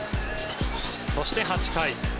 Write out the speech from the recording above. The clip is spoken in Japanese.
そして８回。